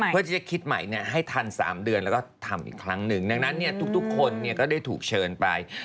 เพื่อที่จะคิดใหม่ให้ทัน๓เดือนแล้วก็ทำอีกครั้งหนึ่งดังนั้นทุกคนก็ได้ถูกเชิญไป